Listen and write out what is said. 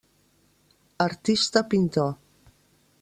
Artista pintor.